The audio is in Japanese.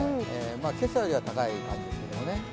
今朝よりは高い感じですけどね。